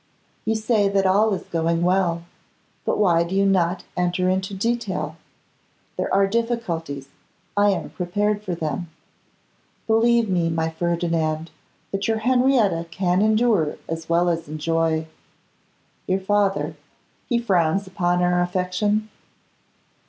You say that all is going well; but why do you not enter into detail? There are difficulties; I am prepared for them. Believe me, my Ferdinand, that your Henrietta can endure as well as enjoy. Your father, he frowns upon our affection?